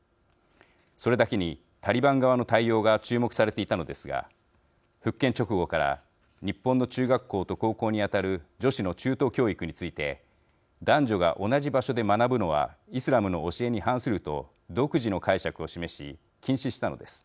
それだけにタリバン側の対応が注目されていたのですが復権直後から日本の中学校と高校に当たる女子の中等教育について男女が同じ場所で学ぶのはイスラムの教えに反すると独自の解釈を示し禁止したのです。